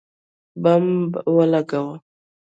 بمبه ولګوه